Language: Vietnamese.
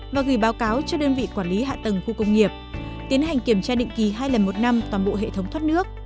và gửi báo cáo cho đơn vị quản lý hạ tầng khu công nghiệp tiến hành kiểm tra định kỳ hai lần một năm toàn bộ hệ thống thoát nước